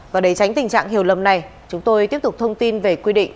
và để tránh tình trạng hiểu lầm này chúng tôi tiếp tục thông tin về quy định